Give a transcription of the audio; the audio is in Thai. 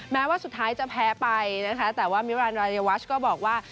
แม้ว่าสุดท้ายจะแพ้ไปนะคะแต่ว่ามิรานรายวัชก็บอกว่า